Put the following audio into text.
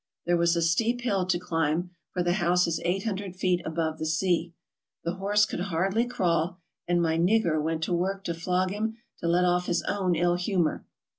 There was a steep hill to climb, for the house is eight hundred feet above the sea. The horse could hardly crawl, and my "nigger " went to work to flog him to let off his own ill humor.